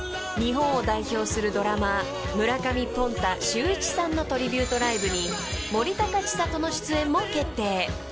［日本を代表するドラマー村上”ポンタ”秀一さんのトリビュートライブに森高千里の出演も決定］